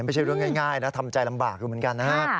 ไม่ใช่เรื่องง่ายนะทำใจลำบากอยู่เหมือนกันนะฮะ